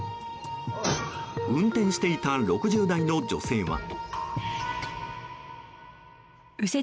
運転していた６０代の女性は。